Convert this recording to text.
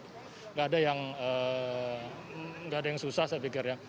tidak ada yang susah saya pikir ya